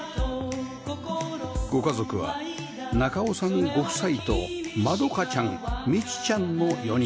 ご家族は中尾さんご夫妻とまどかちゃんみちちゃんの４人